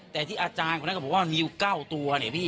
แต่ที่อาจารย์คนนั้นก็บอกว่ามีอยู่๙ตัวเนี่ยพี่